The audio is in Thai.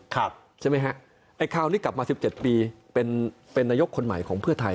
ครับใช่ไหมฮะไอ้คราวนี้กลับมาสิบเจ็ดปีเป็นเป็นนายกคนใหม่ของเพื่อไทย